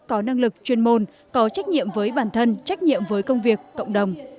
có năng lực chuyên môn có trách nhiệm với bản thân trách nhiệm với công việc cộng đồng